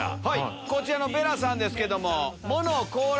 こちらのベラさんですけども。